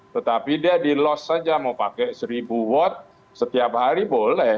tetapi dia di loss saja mau pakai seribu watt setiap hari boleh